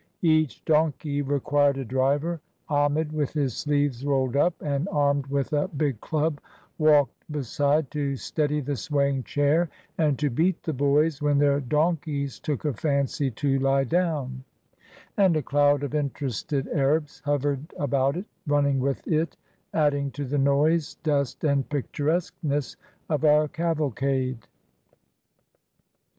Each donkey required a driver; Ahmed, with his sleeves rolled up and armed with a big club, walked beside, to steady the swaying chair, and to beat the boys when their donkeys took a fancy to lie down; and a 70 KARNAK AND THE HALL OF COLUMNS cloud of interested Arabs hovered about it, running with it, adding to the noise, dust, and picturesqueness of our cavalcade.